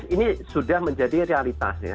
ini sudah menjadi realitas ya